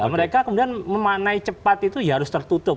mereka kemudian memanai cepat itu ya harus tertutup